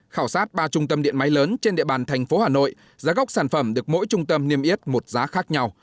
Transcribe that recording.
khảo sát ba trung tâm điện máy lớn trên địa bàn thành phố hà nội giá gốc sản phẩm được mỗi trung tâm niêm yết một giá khác nhau